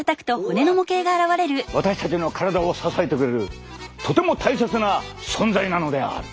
私たちの体を支えてくれるとても大切な存在なのである。